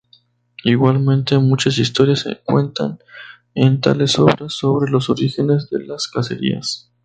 Igualmente, muchas historias se cuentan en tales obras sobre los orígenes de las "cacerías".